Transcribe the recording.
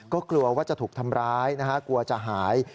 ก็กลัวว่าจะถูกทำร้ายนะฮะกลัวจะหาย